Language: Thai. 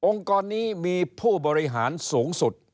กรนี้มีผู้บริหารสูงสุด